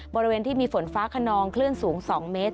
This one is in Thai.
บริเวณที่มีฝนฟ้าขนองคลื่นสูง๒เมตร